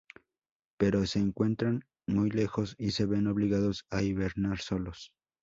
Pero se encuentran muy lejos y se ven obligados a hibernar solos.